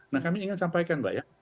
nah kami ingin sampaikan mbak ya